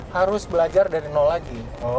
harus belajar dari nol lagi